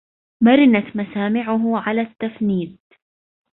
مرنت مسامعه على التفنيد